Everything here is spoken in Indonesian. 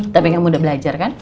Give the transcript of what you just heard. tapi kamu udah belajar kan